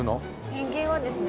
ペンギンはですね